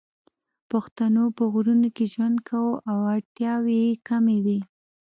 پښتنو په غرونو کې ژوند کاوه او اړتیاوې یې کمې وې